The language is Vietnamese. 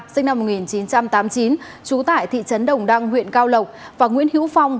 sinh năm một nghìn chín trăm tám mươi chín trú tại thị trấn đồng đăng huyện cao lộc và nguyễn hữu phong